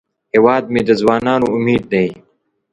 هیواد مې د ځوانانو امید دی